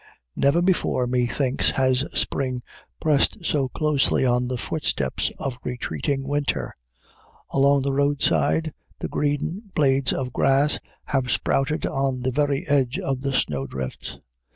Never before, methinks, has spring pressed so closely on the footsteps of retreating winter. Along the roadside the green blades of grass have sprouted on the very edge of the snowdrifts.